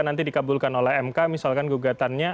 nanti dikabulkan oleh mk misalkan gugatannya